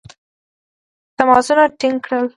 تماسونه ټینګ کړل.